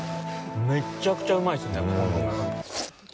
めっちゃくちゃうまいっすね。